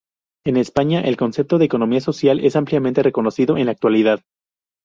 En España el concepto de economía social es ampliamente reconocido en la actualidad.